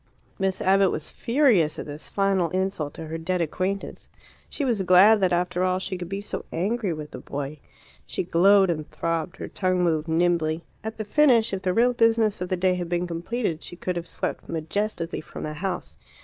Miss Abbott was furious at this final insult to her dead acquaintance. She was glad that after all she could be so angry with the boy. She glowed and throbbed; her tongue moved nimbly. At the finish, if the real business of the day had been completed, she could have swept majestically from the house.